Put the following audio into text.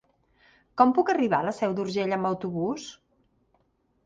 Com puc arribar a la Seu d'Urgell amb autobús?